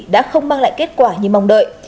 đã không mang lại kết quả như mong đợi